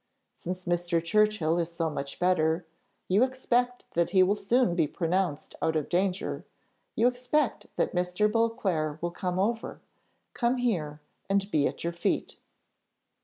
Since Mr. Churchill is so much better, you expect that he will soon be pronounced out of danger you expect that Mr. Beauclerc will come over come here, and be at your feet!"